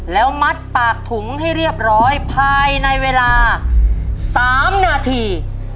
แล้วมัดปากถุงให้เรียบร้อยภายในเวลา๓นาที